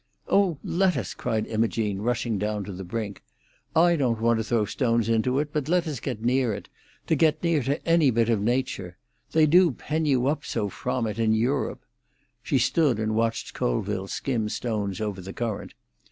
"Oh, let us!" cried Imogene, rushing down to the brink. "I don't want to throw stones into it, but to get near it—to get near to any bit of nature. They do pen you up so from it in Europe!" She stood and watched Colville skim stones over the current.